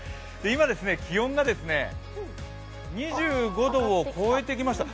今、気温が２５度を超えてきました。